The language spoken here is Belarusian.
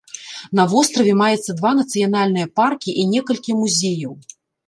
На востраве маецца два нацыянальныя паркі і некалькі музеяў.